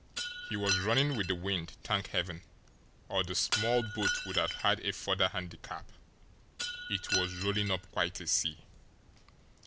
He was running with the wind, thank Heaven! or the small boat would have had a further handicap it was rolling up quite a sea.